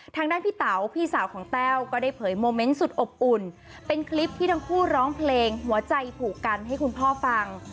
ทางด้านพี่เต๋าพี่สาวของแต้วก็ได้เผยโมเมนต์สุดอบอุ่นเป็นคลิปที่ทั้งคู่ร้องเพลงหัวใจผูกกันให้คุณพ่อฟัง